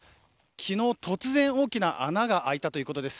昨日、突然大きな穴が開いたということです。